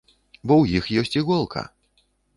Бо ў іх ёсць іголка!